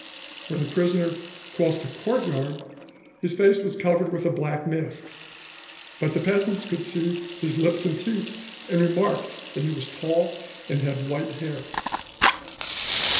When the prisoner crossed the courtyard his face was covered with a black mask, but the peasants could see his lips and teeth, and remarked that he was tall, and had white hair.